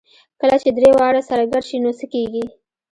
کله چې درې واړه سره ګډ شي نو څه کېږي؟